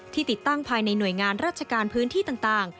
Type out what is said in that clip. ติดตั้งภายในหน่วยงานราชการพื้นที่ต่าง